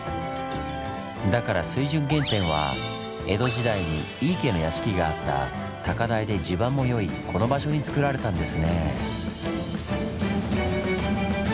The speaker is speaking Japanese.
だから水準原点は江戸時代に井伊家の屋敷があった高台で地盤もよいこの場所につくられたんですねぇ。